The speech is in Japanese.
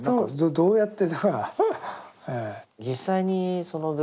どうやって。